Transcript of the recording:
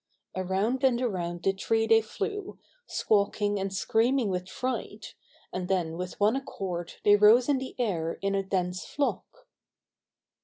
Around and around the tree they flew, squawking and screaming with fright, and then with one ac cord they rose in the air in a dense flock.